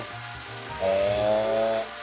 へえ。